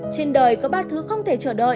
trên đời có ba thứ không thể chờ đợi